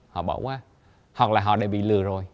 họ bỏ qua hoặc là họ đã bị lừa rồi